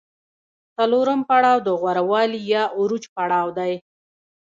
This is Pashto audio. څلورم پړاو د غوره والي یا عروج پړاو دی